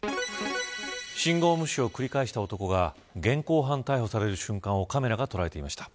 信号無視を繰り返した男が現行犯逮捕される瞬間をカメラが捉えていました。